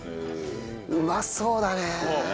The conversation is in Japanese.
うまそうだね。